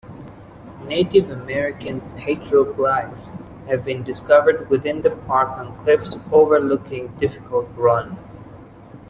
Native American petroglyphs have been discovered within the park on cliffs overlooking Difficult Run.